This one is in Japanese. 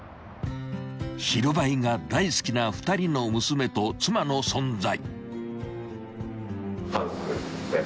［白バイが大好きな２人の娘と妻の存在］